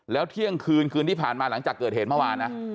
แล้วเที่ยงคืนคืนที่ผ่านมาหลังจากเกิดเหตุเมื่อวานนะ